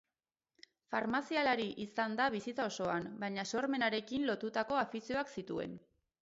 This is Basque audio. Farmazialari izan da bizitza osoan, baina sormenarekin lotutako afizioak zituen.